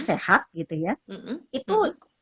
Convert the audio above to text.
sehat gitu ya itu